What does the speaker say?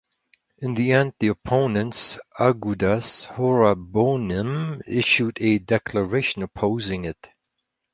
In the end, the opponents Agudas Horabonim issued a declaration opposing it.